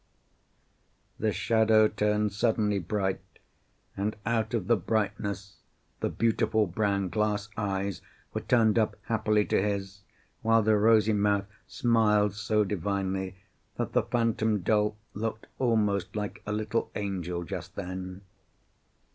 The shadow turned suddenly bright, and out of the brightness the beautiful brown glass eyes were turned up happily to his, while the rosy mouth smiled so divinely that the phantom doll looked almost like a little angel just then.